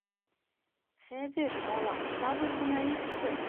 Хәҙер, балам, сабыр ғына итсе!..